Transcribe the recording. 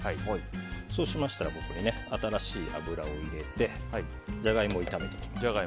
そうしましたらここに新しい油を入れてジャガイモを炒めていきます。